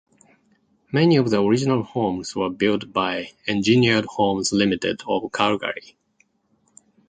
Many of the original homes were built by Engineered Homes Limited of Calgary.